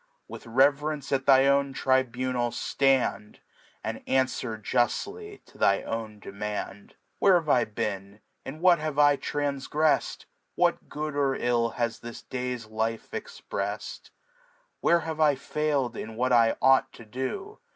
With Rev'rence at thy own Tribunal ilandi' ^.. Andjanfwer juftly to thy own Demand Where ha^e I beea? Js what have I traa^efs'd?* What Good or HI has this Day's Liie eM>rers'd ? Where have I failed, in what i q^ghx iHp oo